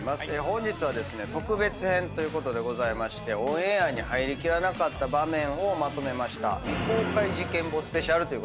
本日は特別編ということでオンエアに入りきらなかった場面をまとめました。